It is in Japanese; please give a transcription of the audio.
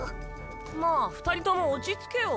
まあ二人とも落ち着けよ。